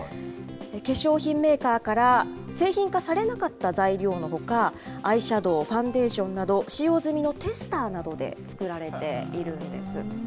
化粧品メーカーから、製品化されなかった材料のほか、アイシャドー、ファンデーションなど、使用済みのテスターなどで作られているんです。